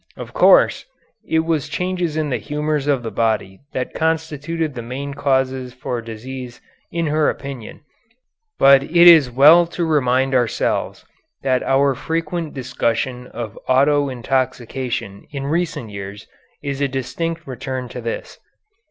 Of course, it was changes in the humors of the body that constituted the main causes for disease in her opinion, but it is well to remind ourselves that our frequent discussion of auto intoxication in recent years is a distinct return to this.